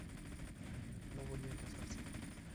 No vuelve a casarse.